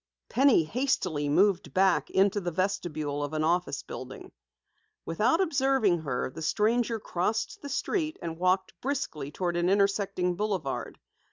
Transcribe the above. Penny hastily moved back into the vestibule of an office building. Without observing her, the stranger crossed the street and walked briskly toward an intersecting boulevard.